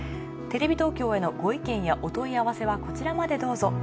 テレビ東京へのご意見やお問い合わせはこちらまでどうぞ。